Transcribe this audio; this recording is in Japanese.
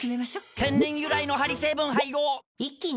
天然由来のハリ成分配合一気に！